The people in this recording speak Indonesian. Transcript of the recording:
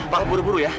papa buru buru ya